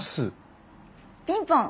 ピンポン！